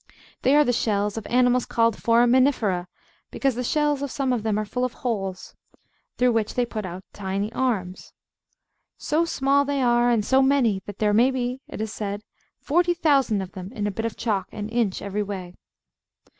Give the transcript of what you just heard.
They are the shells of animals called Foraminifera, because the shells of some of them are full of holes, through which they put out tiny arms. So small they are and so many, that there may be, it is said, forty thousand of them in a bit of chalk an inch every way.